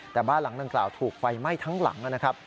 แต่บ้านหลังดังกล่าวถูกไฟไหม้ทั้งหลังนะครับ